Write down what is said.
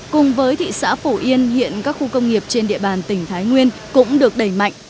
cùng với thị xã phổ yên hiện các khu công nghiệp trên địa bàn tỉnh thái nguyên cũng được đẩy mạnh